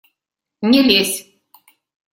Не лезь!